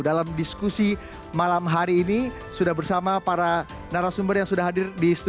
dalam diskusi malam hari ini sudah bersama para narasumber yang sudah hadir di studio